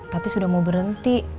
tapi sudah mau berhenti